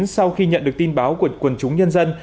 sau khi nhận được tin báo của quần chúng nhân dân